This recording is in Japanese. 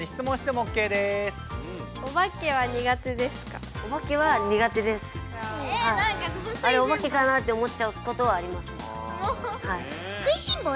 あれおばけかな？って思っちゃうことはありますね。